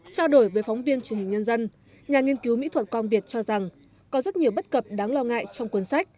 trao đổi với phóng viên truyền hình nhân dân nhà nghiên cứu mỹ thuật quang việt cho rằng có rất nhiều bất cập đáng lo ngại trong cuốn sách